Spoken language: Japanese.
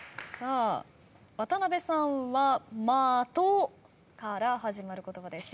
渡辺さんは「まと」から始まる言葉です。